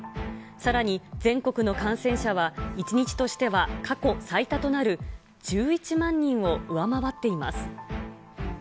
さらに、全国の感染者は１日としては過去最多となる１１万人を上回っています。